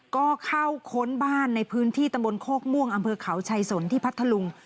ก็เข้าค้นบ้านในพื้นที่ตำบลโคกม่วงอำเภอเขาชัยสนที่พัทธลุง